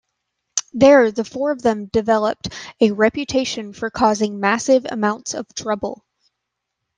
There the four of them developed a reputation for causing massive amounts of trouble.